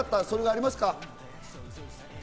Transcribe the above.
それがありますか？